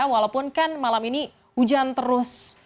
walaupun kan malam ini hujan terus